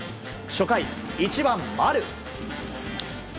初回１番、丸。